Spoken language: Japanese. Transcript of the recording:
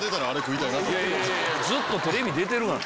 ずっとテレビ出てるがな。